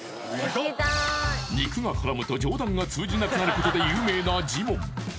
肉が絡むと冗談が通じなくなることで有名なジモン